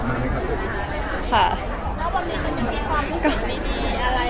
แล้ววันนี้มันจะมีความรู้สึกดี